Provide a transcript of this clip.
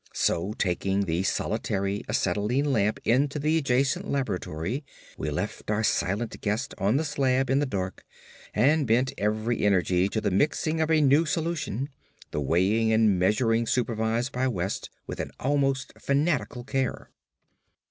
So taking the solitary acetylene lamp into the adjacent laboratory, we left our silent guest on the slab in the dark, and bent every energy to the mixing of a new solution; the weighing and measuring supervised by West with an almost fanatical care.